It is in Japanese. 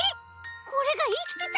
これがいきてたの？